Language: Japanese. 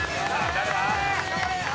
誰だ？